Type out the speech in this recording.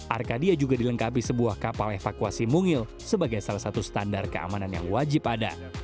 arcadia juga dilengkapi sebuah kapal evakuasi mungil sebagai salah satu standar keamanan yang wajib ada